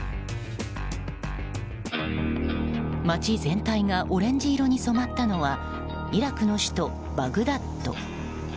街全体がオレンジ色に染まったのはイラクの首都バグダッド。